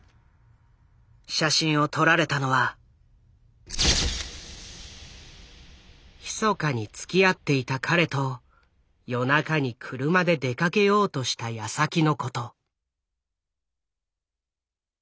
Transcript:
写真を撮られたのはひそかにつきあっていた彼と夜中に車で出かけようとしたやさきのこと。